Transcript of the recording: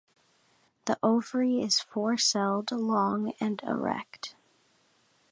The ovary is four-celled, long, and erect.